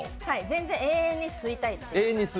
全然、永遠に吸いたい。